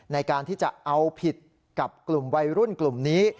ในการที่จะเอาผิดกับกลุ่มวัยรุ่นกลุ่มนี้